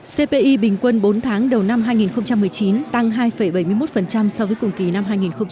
cpi bình quân bốn tháng đầu năm hai nghìn một mươi chín tăng hai bảy mươi một so với cùng kỳ năm hai nghìn một mươi tám